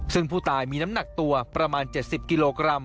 ซึ่งผู้ตายมีน้ำหนักตัวประมาณ๗๐กิโลกรัม